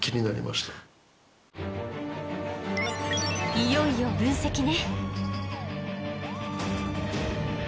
いよいよ分析ね。